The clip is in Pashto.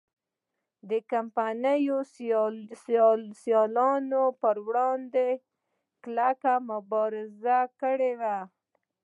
د کمپنۍ سیالانو پر وړاندې کلکه مبارزه کړې وه.